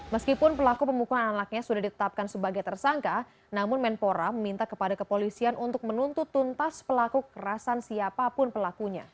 meskipun pelaku pemukulan anaknya sudah ditetapkan sebagai tersangka namun menpora meminta kepada kepolisian untuk menuntut tuntas pelaku kerasan siapapun pelakunya